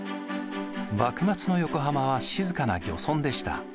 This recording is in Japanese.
幕末の横浜は静かな漁村でした。